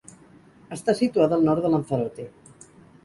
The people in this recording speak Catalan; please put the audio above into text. Està situada al nord de Lanzarote.